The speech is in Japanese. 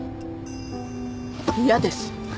嫌です。